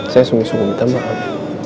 saya sungguh sungguh minta maaf